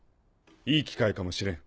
いい機会かもしれん。